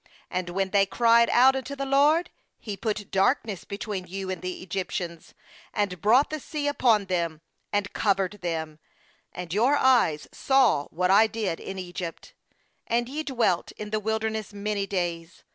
7And when they cried out unto the LORD, He put darkness between you and the Egyptians, and brought the sea upon them, and covered them; and your eyes saw what I did in Egypt; and ye dwelt in the wilderness many days.